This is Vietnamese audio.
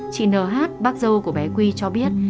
chị n h bác dâu của bé quy cho biết